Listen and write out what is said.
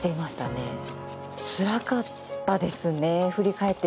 つらかったですね振り返ってみると。